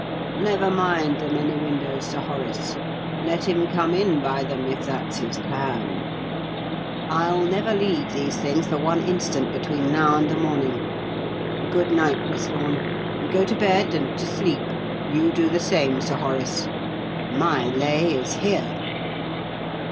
Never mind the many windows, Sir Horace. Let him come in by them, if that's his plan. I'll never leave these things for one instant between now and the morning. Good night, Miss Lorne. Go to bed and to sleep you do the same, Sir Horace. My lay is here!"